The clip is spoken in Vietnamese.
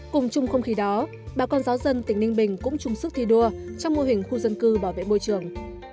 cùng chung không khí đó bà con giáo dân tỉnh ninh bình cũng chung sức thi đua trong mô hình khu dân cư bảo vệ môi trường